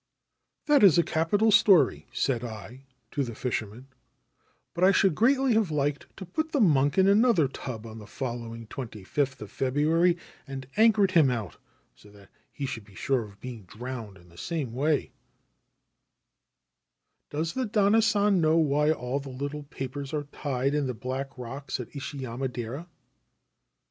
* That is a capital story/ said I to the old fisherman ;' but I should greatly have liked to put the monk in another tub on the following 25th of February, and anchored him out, so that he should be sure of being drowned in the same way/ ' Does the Danna San know why all the little papers are tied in the black rocks at Ishiyama dera